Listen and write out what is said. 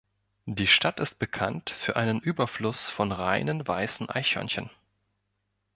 Die Stadt ist bekannt für einen Überfluss von reinen weißen Eichhörnchen.